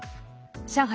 上海